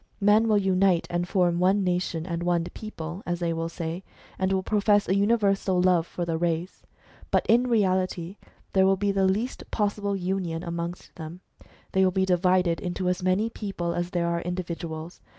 Men will unite and form one nation and one people (as they will say), and will profess a universal love for the race. But in HISTORY OF THE HUMAN RACE. ii reality there will be tlie least possible union amongst them ; they will be divided into as many peoples as there are individuals.